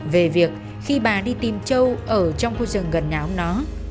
về việc khi bà đi tìm châu ở trong khu rừng gần nhà ông nó